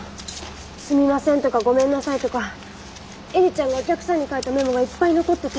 「すみません」とか「ごめんなさい」とか映里ちゃんがお客さんに書いたメモがいっぱい残ってて。